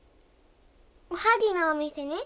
おはぎのお店に？